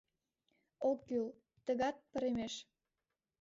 — Ок кӱл, тыгат паремеш.